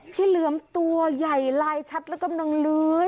เหลือมตัวใหญ่ลายชัดแล้วกำลังเลื้อย